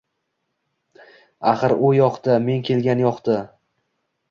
Axir, u yoqda — men kelgan yoqda…